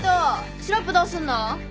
シロップどうすんの？